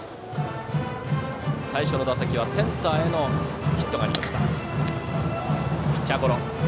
最初の打席はセンターへのヒットがありました。